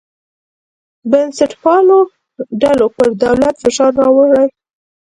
بنسټپالو ډلو پر دولت فشار راوړی.